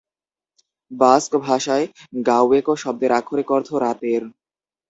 বাস্ক ভাষায় গাউয়েকো শব্দের আক্ষরিক অর্থ "রাতের"।